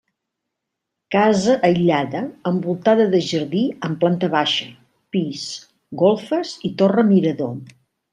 Casa aïllada envoltada de jardí amb planta baixa, pis, golfes i torre mirador.